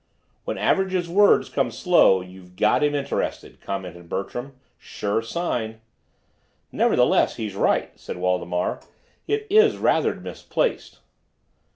"When Average's words come slow, you've got him interested," commented Bertram. "Sure sign." "Nevertheless, he's right," said Waldemar. "It is rather misplaced."